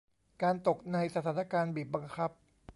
การตกในสถานการณ์บีบบังคับ